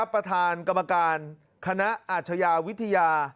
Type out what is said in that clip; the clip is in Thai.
ประธานกรรมการคณะอาชญาวิทยา